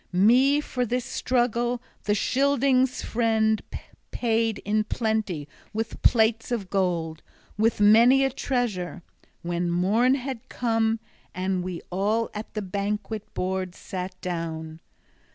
Me for this struggle the Scyldings' friend paid in plenty with plates of gold, with many a treasure, when morn had come and we all at the banquet board sat down.